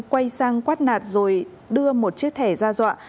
quay sang quét nạt rồi đưa một chiếc thẻ ra dọa